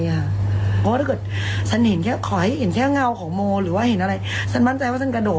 เพราะว่าถ้าเกิดฉันเห็นแค่ขอให้เห็นแค่เงาของโมหรือว่าเห็นอะไรฉันมั่นใจว่าฉันกระโดด